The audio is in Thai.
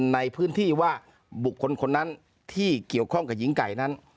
ในพื้นที่ว่าบุคคลคนนั้นที่เกี่ยวข้องกับหญิงไก่นั้น